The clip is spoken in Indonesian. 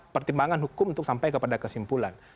pertimbangan hukum untuk sampai kepada kesimpulan